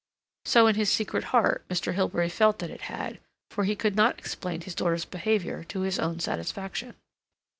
So, in his secret heart, Mr. Hilbery felt that it had, for he could not explain his daughter's behavior to his own satisfaction.